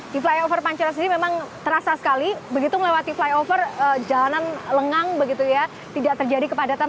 di flyover pancoran sendiri memang terasa sekali begitu melewati flyover jalanan lengang begitu ya tidak terjadi kepadatan